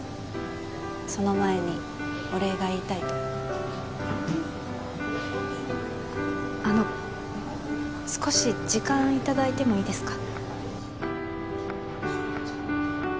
その前にお礼が言いたいとあの少し時間いただいてもいいですか？